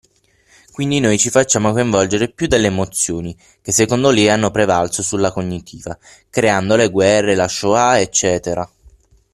Quindi noi ci facciamo coinvolgere più dall'emozioni che secondo lei hanno prevalso sulla cognitiva creando le guerre, la shoa ecc.